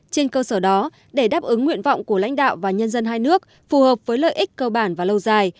trên cơ sở đó để đáp ứng nguyện vọng của lãnh đạo và nhân dân hai nước phù hợp với lợi ích cơ bản và lâu dài